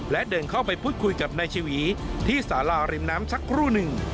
และเดินเข้าไปพูดคุยกับนายชวีที่สาราริมน้ำสักครู่หนึ่ง